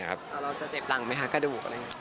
เราจะเจ็บหลังไหมคะกระดูกอะไรอย่างนี้